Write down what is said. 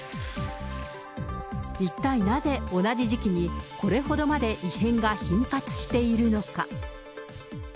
一体なぜ同じ時期にこれほどまで異変が頻発しているのか。